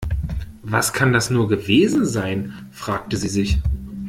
Was kann das nur gewesen sein, fragte sie sich.